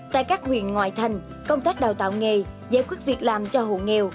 tại các huyện ngoại thành công tác đào tạo nghề giải quyết việc làm cho hộ nghèo